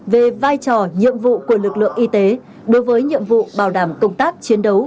về vai trò nhiệm vụ của lực lượng y tế đối với nhiệm vụ bảo đảm công tác chiến đấu